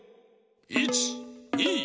１２